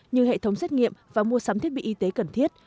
như hệ thống xét nghiệm và mua sắm thiết bị y tế cần thiết